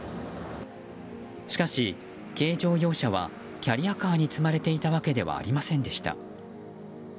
しかし軽乗用車はキャリアカーに積まれていたわけではありませんでした。